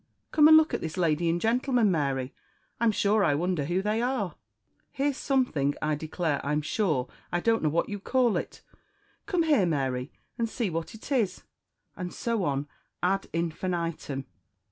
Come and look at this lady and gentleman, Mary; I'm sure I wonder who they are! Here's something, I declare I'm sure I don't know what you call it come here, Mary, and see what it is " and so on _ad infinitum.